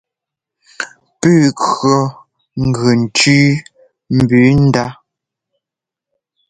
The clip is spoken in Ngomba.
Puu kʉɔ gʉ ntʉ́u mbʉʉ ndá.